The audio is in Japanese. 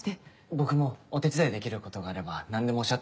僕もお手伝いできることがあれば何でもおっしゃってください。